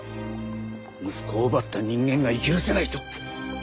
息子を奪った人間が許せないと。